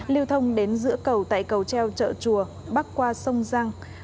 liêu thông đến giữa cầu tại cầu treo chợ chùa bắc qua sông răng